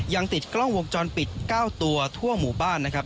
ยังติดกล้องวงจรปิด๙ตัวทั่วหมู่บ้านนะครับ